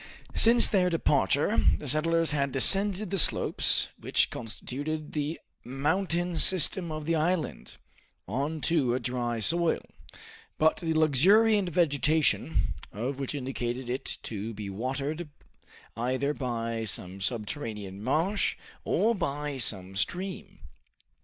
Since their departure, the settlers had descended the slopes which constituted the mountain system of the island, on to a dry soil, but the luxuriant vegetation of which indicated it to be watered either by some subterranean marsh or by some stream.